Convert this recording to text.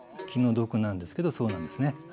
気の毒なんですけどそうなんですね。